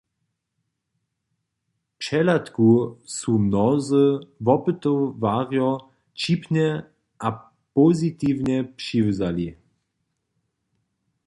Přehladku su mnozy wopytowarjo wćipnje a pozitiwnje přiwzali.